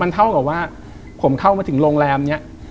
เท่ากับว่าผมเข้ามาถึงโรงแรมนี้